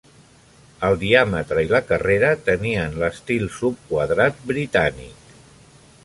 El diàmetre i la carrera tenien l'estil subquadrat britànic.